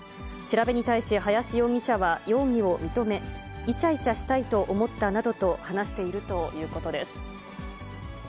調べに対し林容疑者は容疑を認め、いちゃいちゃしたいと思ったなどと話しているということです。